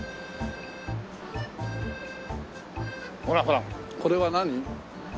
ほらほらこれは何？